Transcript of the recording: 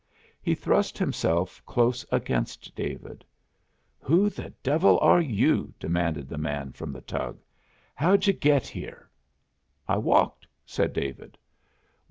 He thrust himself close against David. "Who the devil are you?" demanded the man from the tug. "How'd you get here?" "I walked," said David.